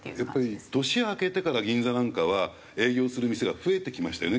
やっぱり年明けてから銀座なんかは営業する店が増えてきましたよね。